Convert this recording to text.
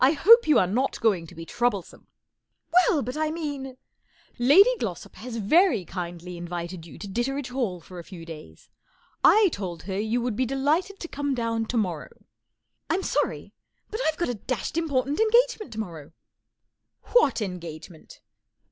X hope you are not going to be trou blesome," " Well, but I mean "" Lady GIossop has very kindly invited you to Ditteredge Hall for a few days. 1 told her you would be delighted to come down tomorrow." I'm sorry, but I've got a dashed impor¬ tant engagement to morrow," What engagement